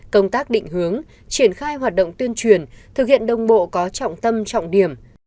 công tác định hướng triển khai hoạt động tuyên truyền thực hiện đồng bộ có trọng tâm trọng điểm